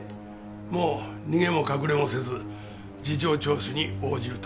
もう逃げも隠れもせず事情聴取に応じると。